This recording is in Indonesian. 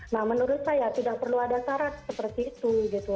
nah menurut saya tidak perlu ada syarat seperti itu gitu